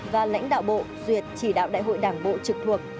và lãnh đạo bộ duyệt chỉ đạo đại hội đảng bộ trực thuộc